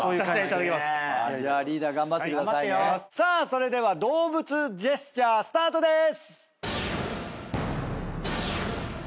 それでは動物ジェスチャースタートです！